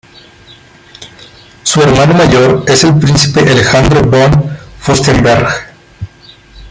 Su hermano mayor es el príncipe Alejandro von Fürstenberg.